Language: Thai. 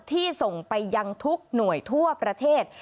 ที่ส่งไปยังทุกหน่วยทั่วประเทศ